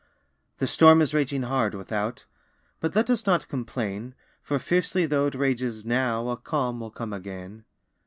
The storm is raging hard, without; But let us not complain, For fiercely tho' it rages now, A calm will come again.